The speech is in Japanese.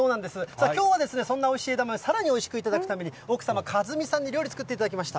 さあきょうはそんなおいしい枝豆、さらにおいしく頂くため、奥様、和美さんに、料理作っていただきました。